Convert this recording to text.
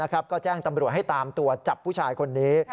ก็แจ้งตำรวจให้ตามตัวจับผู้ชายคนนี้